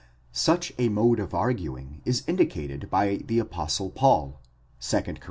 Sucha mode of arguing is indicated by the Apostle Paul, 2 Cor.